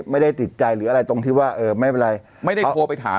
ไม่ได้ติดใจหรืออะไรตรงที่ว่าเออไม่เป็นไรไม่ได้โทรไปถาม